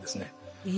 え？